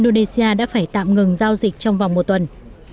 indonesia đã phải tạm ngừng giao dịch trong vòng một tuần